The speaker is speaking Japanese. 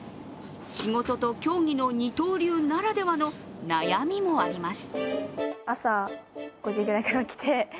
仕事と競技の二刀流ならではの悩みもあります。